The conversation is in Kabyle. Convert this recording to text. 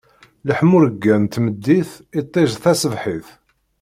Leḥmuṛegga n tmeddit, iṭij taṣebḥit!